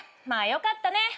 まあよかったね。